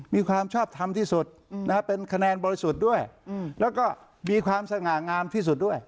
มีความชอบทำที่สุดเป็นคะแนนบริสุทธิ์ด้วยแล้วก็มีความสง่างามที่สุดด้วย